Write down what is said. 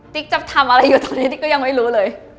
จะทำอะไรอยู่ตรงนี้ติ๊กก็ยังไม่รู้เลย